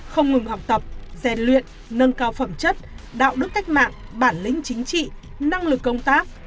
không ngừng học tập rèn luyện nâng cao phẩm chất đạo đức cách mạng bản lĩnh chính trị năng lực công tác